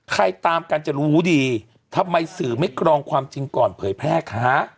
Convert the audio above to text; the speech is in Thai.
ตามกันจะรู้ดีทำไมสื่อไม่กรองความจริงก่อนเผยแพร่คะ